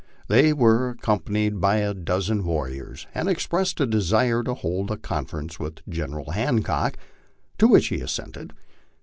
They were accompanied by a dozen warriors, and expressed a desire to hold a conference with General Hancock, to which he assented.